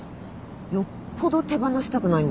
よっぽど手放したくないんだね。